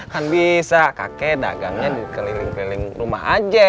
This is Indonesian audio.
kan bisa kakek dagangnya keliling keliling rumah aja